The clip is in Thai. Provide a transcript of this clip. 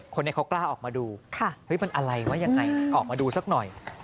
คนนี้เขากล้าออกมาดูเฮ้ยมันอะไรว่ายังไงออกมาดูสักหน่อย